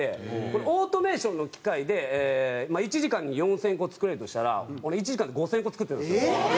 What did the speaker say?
これオートメーションの機械で１時間に４０００個作れるとしたら俺１時間で５０００個作ってたんですよ。